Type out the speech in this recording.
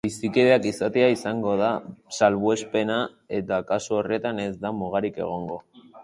Bizikideak izatea izango da salbuespena eta kasu horretan ez da mugarik egongo.